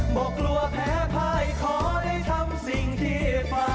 บกลัวแพ้ภายขอได้ทำสิ่งที่ฝัน